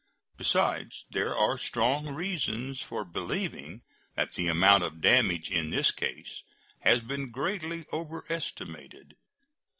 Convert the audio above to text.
Besides, there are strong reasons for believing that the amount of damage in this case has been greatly overestimated.